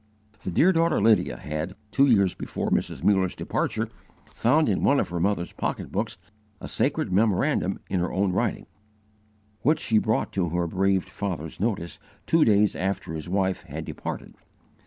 The dear daughter Lydia had, two years before Mrs. Muller's departure, found in one of her mother's pocketbooks a sacred memorandum in her own writing, which she brought to her bereaved father's notice two days after his wife had departed.